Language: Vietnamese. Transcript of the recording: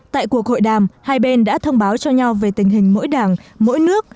tại cuộc hội đàm hai bên đã thông báo cho nhau về tình hình mỗi đảng mỗi nước